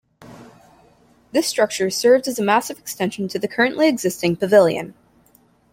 This structure served as a massive extension to the currently existing Pavilion.